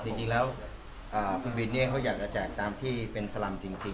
จริงแล้วคุณบินเขาอยากจะแจกตามที่เป็นสลำจริง